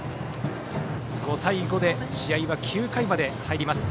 ５対５で試合は９回に入ります。